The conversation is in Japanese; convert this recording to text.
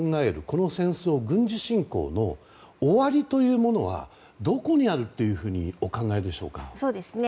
この戦争、軍事侵攻の終わりというものはどこにあるというふうにお考えでしょうか。